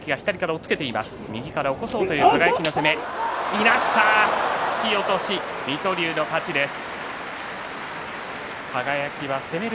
いなした、突き落とし水戸龍の勝ちです。